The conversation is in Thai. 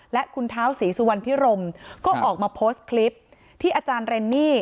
และคุณเท้าศรีสุวรรณพิรมก็ออกมาโพสต์คลิปที่อาจารย์เรนนี่